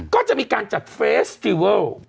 ก็จะมีการจัดเฟสติเวิล